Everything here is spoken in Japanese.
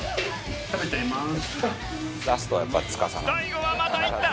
最後はまたいった！